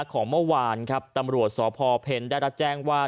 ของเมื่อวานครับตำรวจสพเพลได้รับแจ้งว่า